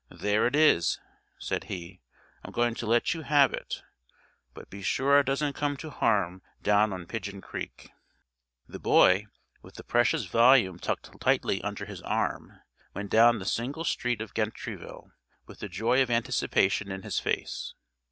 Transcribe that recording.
"There it is," said he: "I'm going to let you have it, but be sure it doesn't come to harm down on Pidgeon Creek." The boy, with the precious volume tucked tightly under his arm, went down the single street of Gentryville with the joy of anticipation in his face.